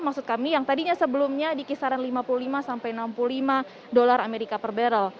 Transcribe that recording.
maksud kami yang tadinya sebelumnya dikisaran rp lima puluh lima sampai rp enam puluh lima per barrel